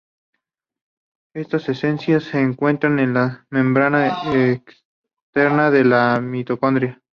Estas enzimas se encuentran en la membrana externa de la mitocondria.